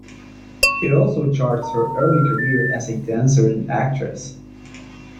It also charts her early career as a dancer and actress.